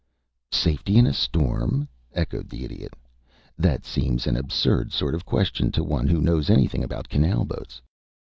"Safety in a storm?" echoed the Idiot. "That seems an absurd sort of a question to one who knows anything about canal boats.